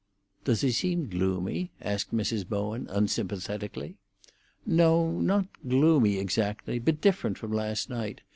"Does he seem gloomy?" asked Mrs. Bowen unsympathetically. "No, not gloomy exactly. But different from last night.